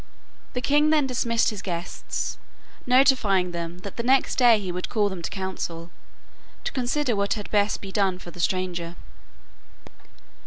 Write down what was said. The king then dismissed his guests, notifying them that the next day he would call them to council to consider what had best be done for the stranger.